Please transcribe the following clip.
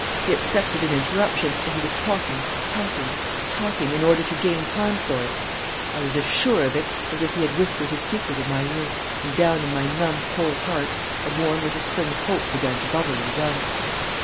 He expected an interruption, and he was talking, talking, talking, in order to gain time for it. I was as sure of it as if he had whispered his secret in my ear, and down in my numb, cold heart a warm little spring of hope began to bubble and run.